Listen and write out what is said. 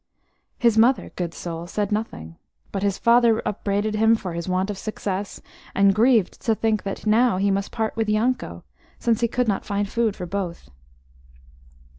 His mother, good soul, said nothing, but his father upbraided him for his want of success, and grieved to think that now he must part with Yanko, since he could not find food for both.